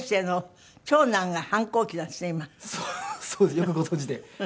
よくご存じで。